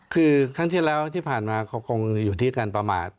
คือครั้งที่แล้วที่ผ่านมาเขาคงอยู่ที่การประมาท